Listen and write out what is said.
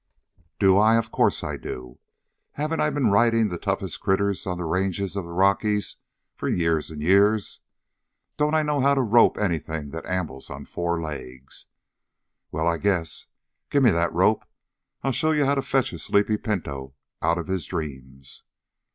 "Do I? Of course I do. Haven't I been riding the toughest critters on the ranges of the Rockies for years and years? Don't I know how to rope anything that ambles on four legs? Well, I guess! Gimme that rope. I'll show you how to fetch a sleepy pinto out of his dreams."